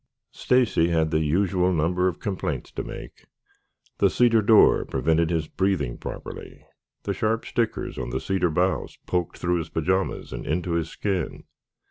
Stacy had the usual number of complaints to make. The cedar odor prevented his breathing properly, the sharp stickers on the cedar boughs poked through his pajamas and into his skin.